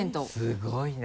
すごいな！